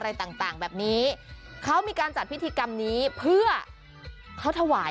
สวัสดีคุณผู้ชม